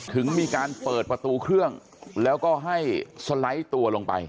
ถึงมีการเปิดประตูเครื่องแล้วก็ให้สไลด์ตัวลงไป